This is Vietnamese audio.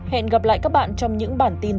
hẹn gặp lại các bạn trong những bản tin tiếp theo